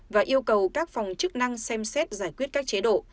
và yêu cầu các phòng chức năng xem xét giải quyết các chế độ